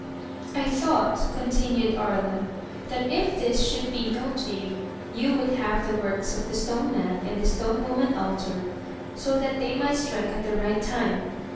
"I thought," continued Aria, "that if this should be known to you, you would have the works of the stone man and the stone woman altered so that they might strike at the right time.